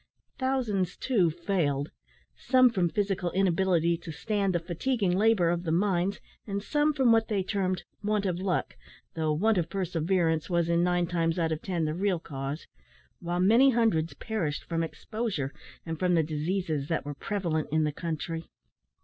Thousands, too, failed some from physical inability to stand the fatiguing labour of the mines, and some from what they termed "want of luck," though want of perseverance was, in nine cases out of ten, the real cause; while many hundreds perished from exposure and from the diseases that were prevalent in the country.